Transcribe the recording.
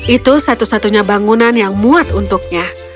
itu satu satunya bangunan yang dia menemukan